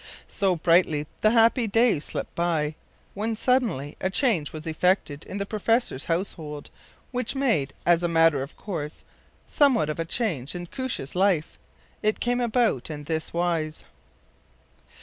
So brightly the happy days slipped by, when suddenly a change was effected in the professor’s household which made, as a matter of course, somewhat of a change in Koosje’s life. It came about in this wise.